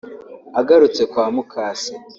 Agarutse kwa mukase